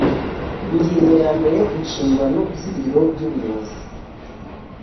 ingingo ya mbere inshingano z ibiro by ubuyobozi